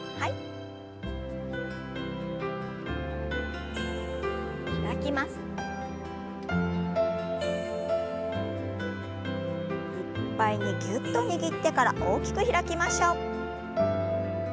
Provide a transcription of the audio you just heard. いっぱいにぎゅっと握ってから大きく開きましょう。